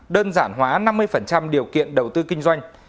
đơn giản hóa năm mươi điều kiện đầu tư kinh doanh